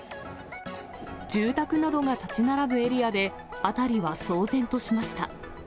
住宅などが建ち並ぶエリアで、辺りは騒然としました。